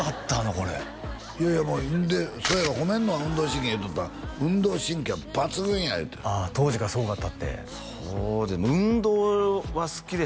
これいやいやそういえば褒めるのは運動神経や言うとった運動神経は抜群やいうてああ当時からすごかったってそうでも運動は好きでしたね